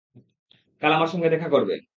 কাল আমার সাথে দেখা করবে।